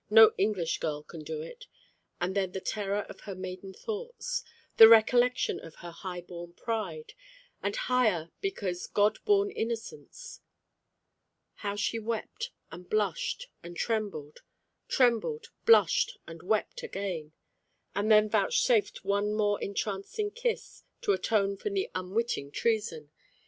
No English girl can do it. And then the terror of her maiden thoughts. The recollection of her high born pride, and higher because God born innocence. How she wept, and blushed, and trembled; trembled, blushed, and wept again; and then vouchsafed one more entrancing kiss, to atone for the unwitting treason.